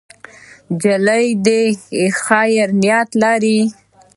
نجلۍ د خیر نیت لري.